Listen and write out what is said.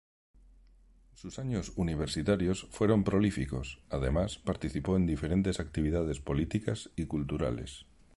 Sus años universitarios fueron prolíficos, además, participó en diferentes actividades políticas y culturales.